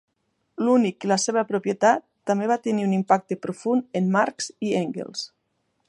"L'únic i la seva propietat" també va tenir un impacte profund en Marx i Engels.